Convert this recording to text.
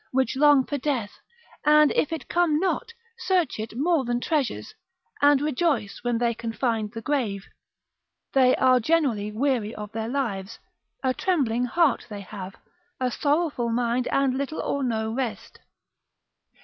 which long for death, and if it come not, search it more than treasures, and rejoice when they can find the grave. They are generally weary of their lives, a trembling heart they have, a sorrowful mind, and little or no rest.